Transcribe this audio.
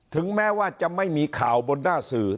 ถึงแม้ว่าจะไม่มีข่าวบนหน้าสื่อ